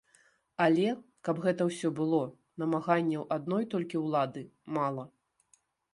Але, каб гэта ўсё было, намаганняў адной толькі ўлады мала.